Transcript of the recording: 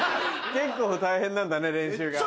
結構大変なんだね練習が。